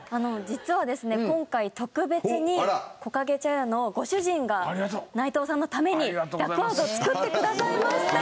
実はですね今回特別に木かげ茶屋のご主人が内藤さんのためにダックワーズを作ってくださいました！